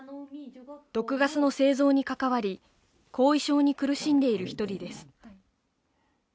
毒ガスの製造に関わり後遺症に苦しんでいる一人です